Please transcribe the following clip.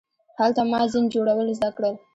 هلته ما زین جوړول زده کړل.